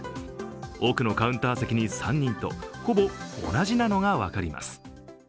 奥のカウンター席に３人とほぼ同じなのが分かります。